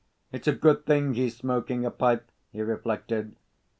It's a good thing he's smoking a pipe," he reflected.